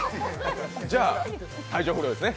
じゃあ、体調不良ですね。